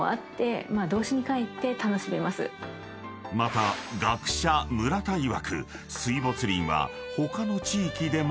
［また学者村田いわく］